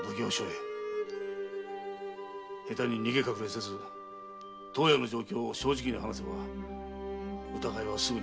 下手に逃げ隠れせず当夜の状況を正直に話せば疑いはすぐに晴れるぞ。